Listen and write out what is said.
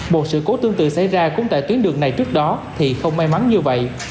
một sự cố tương tự xảy ra cũng tại tuyến đường này trước đó thì không may mắn như vậy